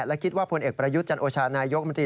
และคิดว่าพลเอกประยุทธ์จันโอชานายกรัฐมนตรี